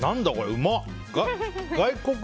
うまっ！